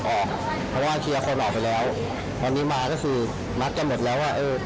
เพราะเคลียร์คนออกไปแล้ววันนี้มาคือมัสเสร็จนั้นหมดแล้ว